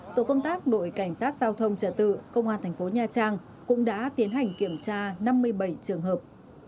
tổ công tác đội cảnh sát giao thông trở tự công an thành phố nha trang cũng đã tiến hành kiểm tra năm mươi bảy trường hợp